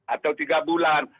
atau tiga bulan